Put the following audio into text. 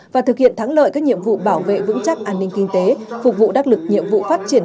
và thực hiện thắng lợi các nhiệm vụ bảo vệ vững chắc an ninh kinh tế phục vụ đắc lực nhiệm vụ phát triển